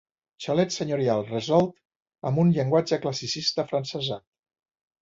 Xalet senyorial resolt amb un llenguatge classicista afrancesat.